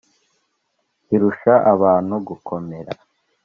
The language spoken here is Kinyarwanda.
Kirusha abantu gukomera